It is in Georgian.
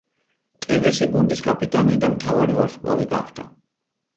ტევესი გუნდის კაპიტანი და მთავარი ვარსკვლავი გახდა.